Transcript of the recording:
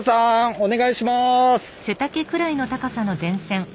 お願いします。